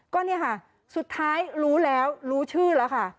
ก็เนี่ยค่ะสุดท้ายรู้แล้วรู้ชื่อแล้วค่ะ